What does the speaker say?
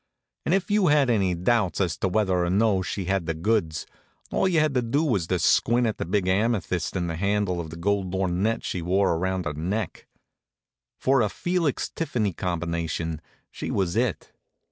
And if you had any doubts as to whether or no she had the goods, all you had to do was to squint at the big amethyst in the handle of the gold lorgnette she wore around her neck. For a Felix Tiffany combination, she was it.